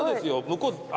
向こう。